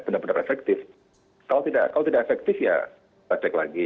benar benar efektif kalau tidak efektif ya rasek lagi